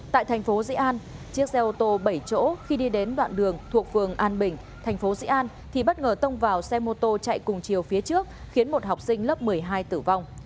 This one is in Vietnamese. tại thành phố dĩ an chiếc xe ô tô bảy chỗ khi đi đến đoạn đường thuộc phường an bình thành phố dĩ an thì bất ngờ tông vào xe mô tô chạy cùng chiều phía trước khiến một học sinh lớp một mươi hai tử vong